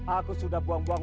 aku sudah buang buang